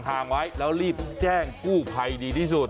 ทางไว้แล้วรีบแจ้งกู้ภัยดีที่สุด